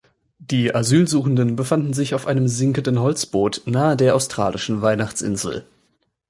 Die Asylsuchenden befanden sich auf einem sinkenden Holzboot, nahe der australischen Weihnachtsinsel.